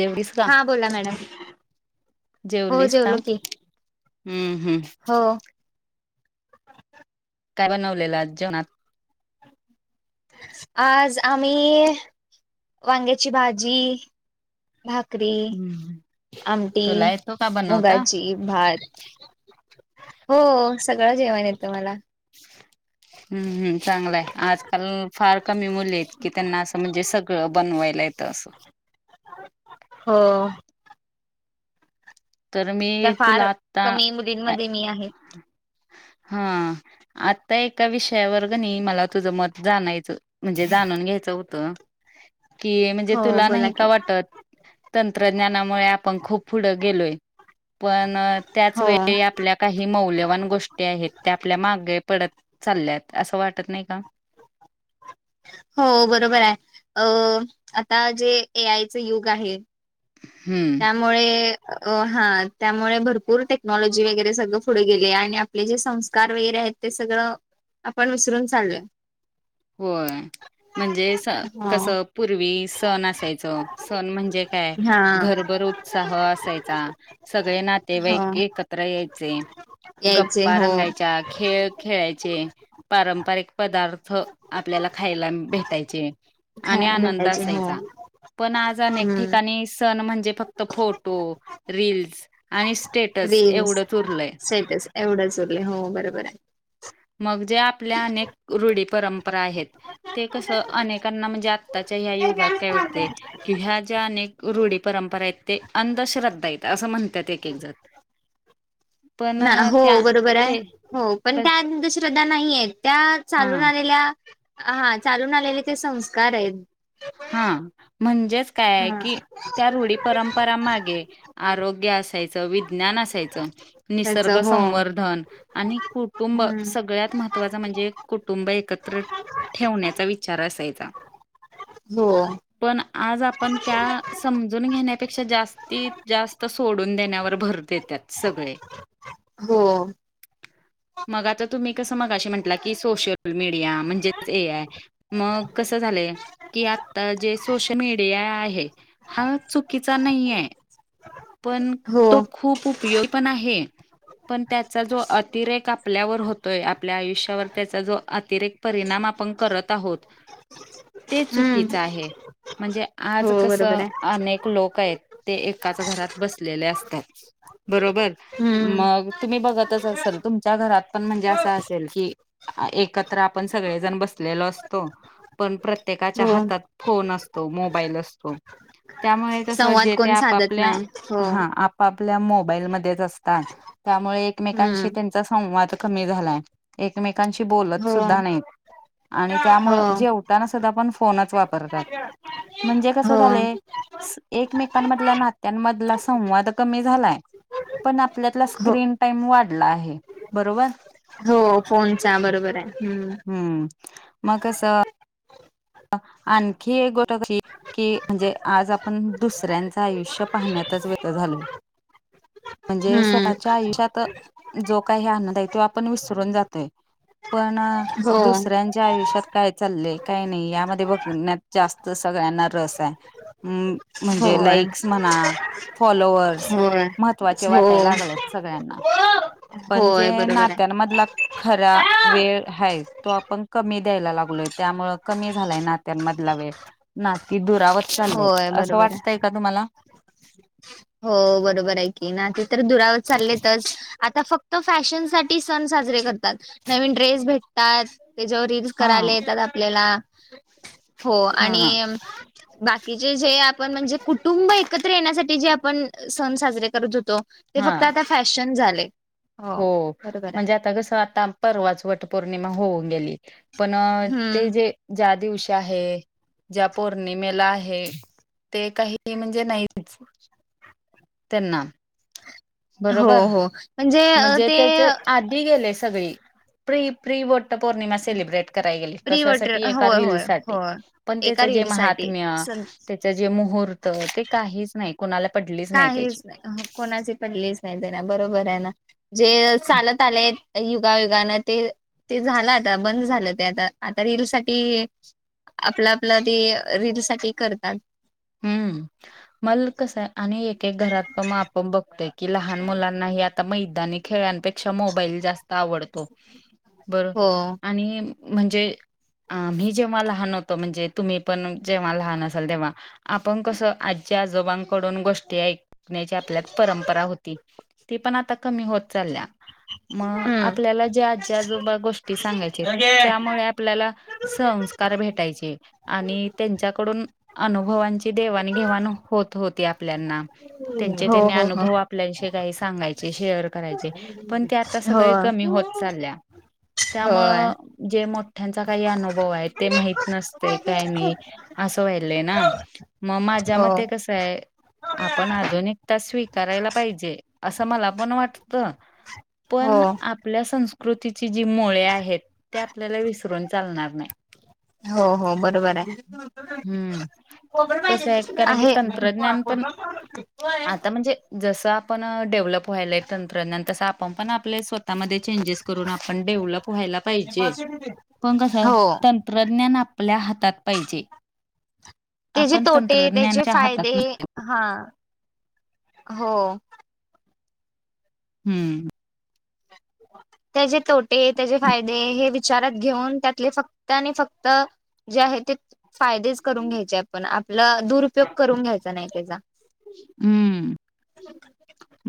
जेवरीस का? हा बोला मॅडम हो जेवलीस का जेवलो की हम्म हम्म हो काय बनवलेलं आज जेवानात. आज आम्ही वांग्याची भाजी भाकरी, हम्म आमटी तुला येतो का बनवता मुगाची. भात हो सगळं जेवाण येतं मला [unintelligible] हम्म हम्म चांगलाय आजकाल फार कमी मुले आहेत की त्यांना असं म्हणजे सगळं बनवायला येत येत अस. हो तर त्या मी तुला फार आत्ता कमी मुलींमध्ये मी आहे हा आता एका विषयावर ग नाही मला तुझं मत जाणायचं म्हणजे जाणून घ्यायचं होतं. [unintelligible] कि म्हणजे हो तुला बोला नाही की का वाटत तंत्रज्ञानामुळे आपण खूप पुढं गेलोय. पण त्याच हो वेळी आपल्या काही मौल्यवान गोष्टी आहेत त्या आपल्या मागे पडत चालल्यात असं वाटत नाही का? हो बरोबर आहे अ आता जे ए आय चं युग आहे हम्म मुळे हा त्यामुळे भरपूर टेक्नॉलॉजी वगैरे सगळं पुढे गेले आणि आपले जे संस्कार वगैरे आहेत ते सगळं आपण विसरून चाललोय. होय म्हणजे स कसं पूर्वी सण असायचं सण म्हणजे काय हा घरभर उत्साह असायचा सगळे नात तेव्हा हो एक एकत्र यायचे यायचे गप्पा हो रंगायच्या खेळ खेळायचे, पारंपरिक पदार्थ आपल्याला खायला भेटायचे आणि खायला आनंद भेटायचे हो असायचा. पण आज अनेक हम्म ठिकाणी सण म्हणजे फक्त फोटो, रिल्स आणि स्टेटस रील्स एवढंच उरलंय. स्टेटस एवढंच उरले हो बरोबर आहे मग जे आपल्या अनेक रूढी परम परा ते कस अनेकांना म्हणजे आताच्या ह्या युगात काय वाटतेयं किं ह्या ज्या अनेक रूढी परंपरा आहेत ते अंधश्रद्धा आहेत असं म्हणत त्यात एक एक जण. पण ना हो त्या बरोबर आहे. ते हो पण क त्या अंतश्रद्धा नाही आहेत त्या हा चालून आलेल्या हा चालून आलेले ते संस्कार आहेत. हा म्हणजेच काय आहे हा की त्या रूढी परंपरा मागे आरोग्य असायचं, विज्ञान असायचं, त्याच निसर्ग हो संवर्धन आणि कुटुंब हम्म सगळ्यात महत्त्वाचं म्हणजे कुटुंब एकत्र ठेवण्याचा विचार असायचा. हो पण आज आपण त्या समजून घेण्यापेक्षा जास्त ती जास्त सोडून देण्यावर भर देतात सगळे हो मग आता तुम्ही कस मग म्हटला की सोशल मीडिया म्हणजेच ए आय मग कसं झालंय कि आता जे सोश- मीडिया आहे हा चुकीचा नाही आहे. पण हो तो खूप उपयो- पण आहे. पण त्याचा जो अतिरेक आपल्यावर होतोय आपल्या आयुष्यावर त्याचा जो अतिरेक परिणाम आपण करत आहोत, ते हम्म चुकीचं आहे. म्हणजे हो आज कसं बरोबर आहे अनेक लोक आहेत ते एकाच घरात बसलेले असतात बरोबर हम्म मग तुम्ही बघतच असाल, तुमच्या घरात पण म्हणजे असं असेल की एकत्र आपण सगळेजण बसलेलो असतो. पण प्र त्येकाच्या हो हातात फोन असतो. मोबाईल असतो. त्यामुळे कस संवाद जे तेे कोण साधत आपापल्या नाही हो हा, आपापल्या मोबाईलमध्येच असतात. त्यामुळे हम्म एकमेकांशी चा संवाद कमी झालाय एकमेकांशी बोलत हो सुद्धा नाही. आणि हो त्यामुळं जेवताना सुद्धा आपण फोनच वापरतात. म्हणजे कसं हो झालंय एकमेकांमधला नात्यांनमधला संवाद कमी झालाय पण आपल्यातला हो स्क्रीन टाइम वाढला आहे. बरोबर? हो फोनचा बरोबर आहे हम्म म कसं आणखी एक गोट कशी की म्हणजे आज आपण दुसऱ्यांचं आयुष्य पाहण्यातच वेळ घाल म्हणजे हम्म स्वतःच्या आयुष्यात जो काही आनंद आहे तो आपण विसरून जातोय पण हो दुसऱ्यां ज्या आयुष्यात काय चाललय, काय नाही यामध्ये बघण्यात जास्त सगळ्यांना रस आहे. हम. म्हणजे होय लाईक्स म्हणा, फॉलोवर्स होय महत्वाचे हो वाटाय लागले. सगळ्यांना, पण होय जे बरोबर आहे नात्यांनमधला खरा वेळ हाय तो आपण कमी द्यायला लागलोय, त्यामुळं कमी झालाय नात्यांनमधला वेळ नाती दुरावत चालली होय असं बरोबर आहे वाटतंय का तुम्हाला? हो बरोबर आहे की, नाते तर दुरावर चाललेतच आता फक्त फॅशन साठी सण साजरे करतात. नवीन ड्रेस भेटतात त्याच्यावर रिल्स हा करायले येता जात प्लेला हो आणि हा बाकीचे जे आपण म्हणजे कुटुंब एकत्र येण्यासाठी जे आप पण सण साजरे करत होतो ते हा फक्त आता फॅशन झाले. हो. बरोबर आहे. म्हणजे आता कसं आता परवाच वट पौर्णिमा होऊन गेली. पण ते हम्म जे ज्या दिवशी आहे ज्या पौर्णिमेला आहे ते काही ते म्हणजे नाहीच. त्यांना हो बरोबर, हो म्हणजे अ, म्हणजे ते त्याचे आधी गेले सगळी. प्रि प्रि वट्ट पौर्णिमा सेलिब्रेट कराय गेली. प्रिवटर कशासाठी? एका होय होय रीलसाठी. होय. पण त्याच एका जे रील साठी महात्म्य सं- त्याच जे मुहूर्त ते काहीच नाही कूणाला पडली काहीच नाही कोणाची पडलीच नाही त्यांना बरोबर आहे ना जे चालत आले युगायुगान ते ते झालं आता बंद झालं ते आता आता रील साठी आपलं आपलं ते रीलसाठी करतात. हम्म, मल कस आहे आणि एक एक घरात प माप बघतय. कि लहान मुलांनाही आता मैदानी खेळांनपेक्षा मोबाईल जास्त आवडतो. बरं हो आणि म्हणजे आम्ही जेव्हा लहान होतो, म्हणजे तुम्ही पण जेव्हा लहान असाल तेव्हा आपण कसं आजी आजोबांकडून गोष्टी ऐकण्याची आपल्यात परंपरा होती. ती पण आता कमी होत चाल्ल्या. म हम्म आपल्याला जे आजी आजोबा गोष्टी सांगायचेत त्यामुळे आ पल्या संस्कार भेटायचे आणि त्यांच्याकडून अनुभवा ची देवाण घेवाण होत होती आपल्यांना त्यांचे हो तेन हो हो अनुभव आ पल्यांशी काही सांगायचे शेअर करायचे. पण ते आता सगळी हो. कमी होत चाल्ल्या होय त्यामुळं जे मोठ्यांचा काही अनुभव आहे ते माहीत नसतय काही नाही असं व्हायलंय ना. म माझ्या हो मते कसाय आपण आजुन एक तास स्वीकारायला पाहिजे असं मला पण वाटत. हो पण आपल्या संस्कृतीची जी मुळे आहेत ते आपल्याला विसरून चालणार नाही. हो -हो बरोबर हाय हम्म. कसं [inaudible] [inaudible] कारण की आहे [inaudible] तंत्रज्ञान पण आता म्हणजे जसं आपण डेव्हलप व्हायलय तंत्रज्ञान तस आपण पण आपले स्वतःमध्ये चेंजेस करून आपण डेव्हलप व्हायला पाहिजे. पण कसं हो तंत्रज्ञान आपल्या हातात पाहिजे. तेजे आपण तोटे त्याचे तंत्रज्ञानाच्या हातात फायदे नसते. हा, हो. हम्म त्याजे तोटे त्याजे फायदे हे विचारात घेऊन त्यातले फक्त आणि फक्त जे आहे ते फायदेच करून घ्यायचेय पण आपला दुरुपयोग करून घ्यायचा नाही तेजा. हम्म,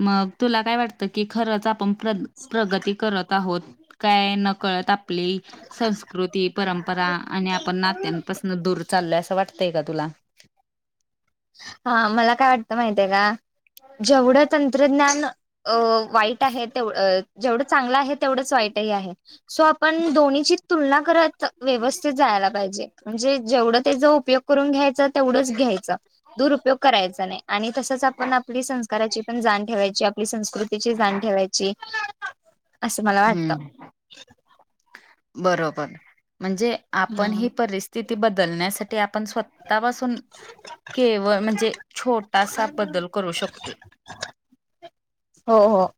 मग तुला काय वाटत कि खरंच आपण प्रद- प्रगती करत आहोत काय नकळत आप पली संस्कृती परंपरा आणि आपण नात्यांपासून दूर चालोय असं वाट तय का तुला? हा मला काय वाटतं माहतीय आहे का, जेवढं तंत्रज्ञान अ वाईट आहे तेव -जेवढं चांगलं आहे तेवढंच वाईटही आहे. सो आपण दोन्हीची तुलना करत व्यवस्थित जायाला पाहिजे. म्हणजे जेवढं त्याचा उपयोग करून घ्यायचा तेवढंच घ्यायचा. दुरुपयोग करायचा नाही आणि तसच आपण आपली संस्काराची पण जाण ठेवायची आपली संस्कृतीची जाण ठेवा ची [inaudible] हम्म बरोबर म्हणजे आपण ही हम्म. परिस्थि तिथी बदलण्यासा ठी आपण स्वतःपासून केवळ म्हणजे छोटासा बदल करू शकतोय. हो- हो.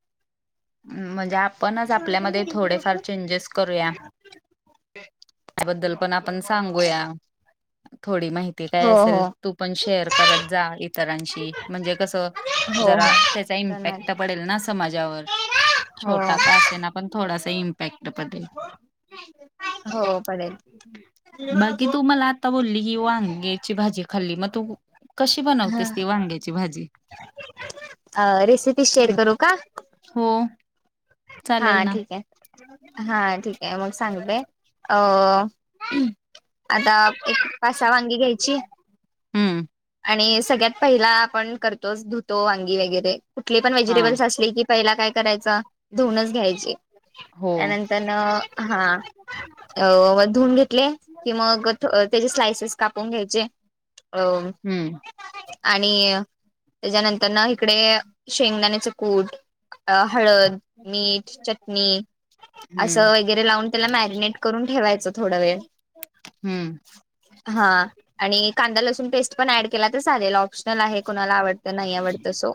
म्हणजे आपणच आपल्यामध्ये थोडेफार चेंजेस करूया. त्याबद्दल पण आपण सांगूया थोडी माहि ते हो काय हो असेल तू पण शेअर करत जा इतरांशी म्हणजे कसं, हो जरा त्याचा इम्पॅक्ट पडेल ना समाजावर हो. छोटा का असेना पण थोडासा इम्पॅक्ट पदेल. [inaudible] हो पडेल बाकी तू [inaudible] मला आता बोल्ली की वांग्याची भाजी खाल्ली मग तू कशी हा बनवतेस ती वांग्याची भाजी? रेसिपी शेअर करू का [inaudible] हो. हा चालेल ना ठीक आहे- हा ठीक आहे मग सांगते अ [inaudible] आता एक पासा वांगी घ्यायची. हम्म आणि सगळ्यात पहिला आपण करतोच धुतो वांगी वगैरे कुठले पण हा व्हेजिटेबल्स असले की. पहिला काय करायचा धुनच घ्यायची हो त्यानंतर न हा. अ व धुून घेतले की मग त्याचे स्लायसेस कापून घ्यायचे. [unintelligible] हम्म आणि. त्याच्यानंतर ना इकडे शेंगदाण्याचं कूट हळद. मीठ चटणी. असं हम्म वगैरे लावून त्याला मॅरिनेट करून ठेवायचं थोडा वेळ. हम्म. हा आणि कांदा ल - पेस्ट पण ऍड केला तर चालेल ऑप्शनल आहे कोुणाला आवडत नाही आवडतं सो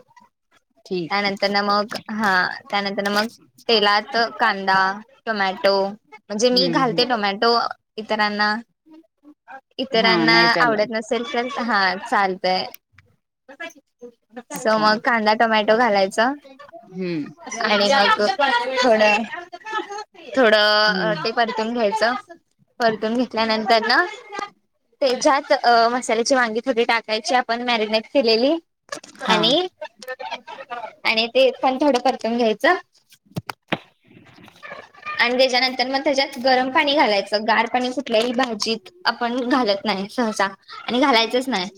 ठीक त्यानंतर ना मग हा त्यानंतर ना मग. तेलात कांदा टोमॅटो म्हणजे मी हम्म घालते हम्म टोमॅटो. इतरांना हा इतरांना नाही चालत आवडत नस सेल्फ सेल् हा चालतय. स अच्छा मग कांदा टोमॅटो घालायचा. हम्म आणि मग थोड थोडं हम्म ते पण. ून घ्यायच परतून घेतल्यानंतर तेच्यात. मसाल्याची वांगी थोडी टाकायची आपण मॅरिनेट केलेली. हा आणि आणि ते पण थोडं परतवून घ्यायचं. [unintelligible] आणि त्याच्यानंतर मग त्याच्यात गरम पाणी घालायचं गार पाणी सुटले ह भाजीत. आपण घालत. नाही सहसा आणि घालायचच नाही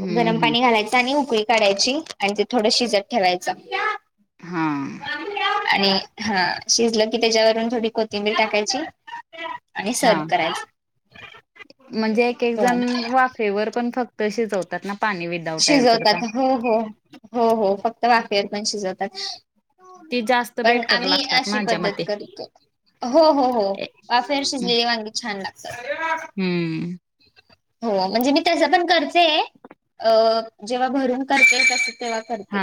हम्म गरम हम्म पाणी घालायचं आणि उकळी. करायची आणि ते थोडं शिजत ठेवायचं हा आणि हा शिजलं की त्याच्यावरून थोडी कोथिंबीर टाकायची आणि हा सर्व करायची. म्हणजे एक एक जण हो वाफेवर पण फक्त शिजवतात ना पाणी वि शिजवतात हो हो हो हो फक्त वाफेवर पण शिजवतात. ती जास्त. पण बेटर आम्ही लागतात अशी माझ्या पद्धत मते करतो. हो हो हो वाफेर शिजलेली वांगी छान लागतात. हम्म. हो म्हणजे मी तस पण करतेय अ जेव्हा भरून करतेय तस. हा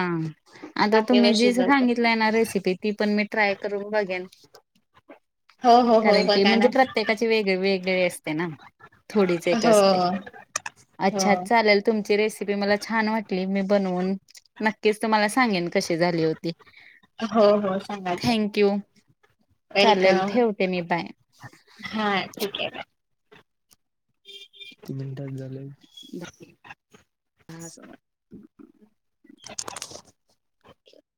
आता तुम्ही जी शिजवते. सांगितलंय ना रेसिपी ती पण मी ट्राय करून बघेन. हो हो हो कारण की बघा म्हणजे ना. प्रत्येकाची वेग वेगळी असते ना. थोडीच एक हो असते अच्छा हो. चालेल. तुमची रेसिपी मला छान वाटली मी बनवून. नक्कीच तुम्हाला सांगेन कशी झाली होती. हो हो सांगायचं. थँंक यू चालेल वेलकम. ठेवते मी बाय. हा ठीक आहे ना. कि मिनटास झाले. [inaudible]